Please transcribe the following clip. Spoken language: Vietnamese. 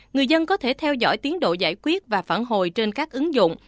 người dân có thể theo dõi tiến độ giải quyết và phản hồi trên các ứng dụng